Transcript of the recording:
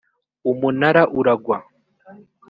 umunara uragwa